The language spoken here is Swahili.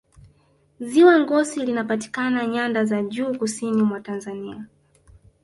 ziwa ngosi linapatikana nyanda za juu kusini mwa tanzania